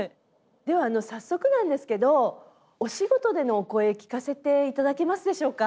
では早速なんですけどお仕事でのお声聞かせていただけますでしょうか？